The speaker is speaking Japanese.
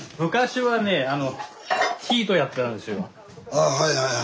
ああはいはいはい。